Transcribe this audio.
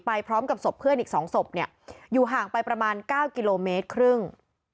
พร้อมกับศพเพื่อนอีก๒ศพเนี่ยอยู่ห่างไปประมาณ๙กิโลเมตรครึ่ง